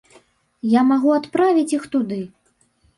Я магу адправіць іх туды.